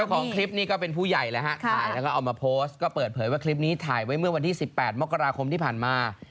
เจ้าของคลิปนี้ก็เป็นผู้ใหญ่แล้วเข้ามาพอสก็เปิดเผยว่าคลิปนี้ถ่ายไว้เมื่อวันที่๑๘มกราคมที่ผ่านมา